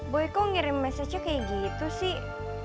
boy kok ngirim mesejnya kayak gitu sih